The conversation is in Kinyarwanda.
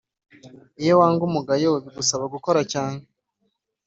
Iyowanga umugayo bigusaba gukora cyane